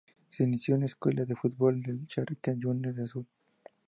Se inició en la Escuela de Fútbol de Chacarita Juniors de Azul.